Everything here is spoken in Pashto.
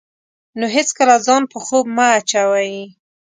نو هېڅکله ځان په خوب مه اچوئ.